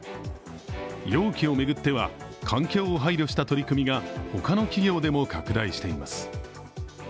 容器を巡っては、環境を配慮した取り組みが他の企業でも拡大しています。